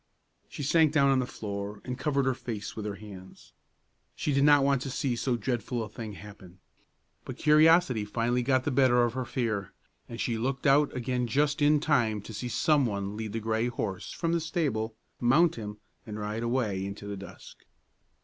She sank down on the floor, and covered her face with her hands. She did not want to see so dreadful a thing happen. But curiosity finally got the better of her fear, and she looked out again just in time to see some one lead the gray horse from the stable, mount him, and ride away into the dusk.